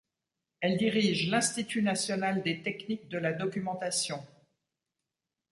Elle dirige l'Institut national des techniques de la documentation.